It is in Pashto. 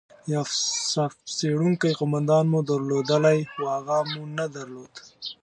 یو صف څیرونکی قومندان مو درلودلای، خو هغه مو نه درلود.